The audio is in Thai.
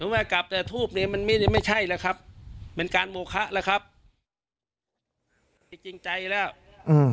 ว่ากลับแต่ทูปนี้มันมีไม่ใช่แหละครับเป็นการโมคะแหละครับจริงใจแล้วอืม